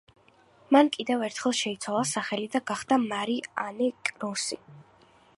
მან კიდევ ერთხელ შეიცვალა სახელი და გახდა მარი ანე კროსი.